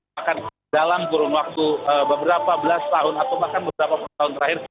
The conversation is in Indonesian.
bahkan dalam kurun waktu beberapa belas tahun atau bahkan beberapa tahun terakhir